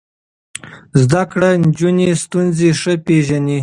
زده کړې نجونې ستونزې ښه پېژني.